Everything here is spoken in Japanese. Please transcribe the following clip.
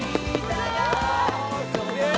すげえ！